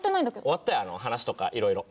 終わったよ話とかいろいろ。